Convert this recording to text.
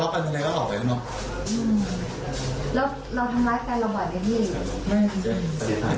แล้วมึงต้นทำร้ายแฟนเค้าหรือบอกหรือ